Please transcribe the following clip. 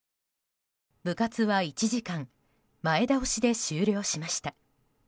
部活は１時間前倒しで終了しました。